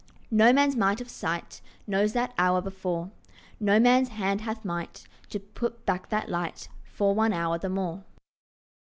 No man's might of sight Knows that hour before; No man's hand hath might To put back that light For one hour the more.